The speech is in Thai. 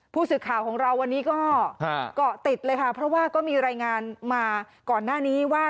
ผู้สื่อข่าวของเราวันนี้ก็เกาะติดเลยค่ะเพราะว่าก็มีรายงานมาก่อนหน้านี้ว่า